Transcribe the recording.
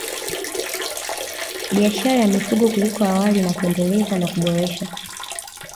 Biashara ya mifugo kuliko awali na kuendeleza na kuboresha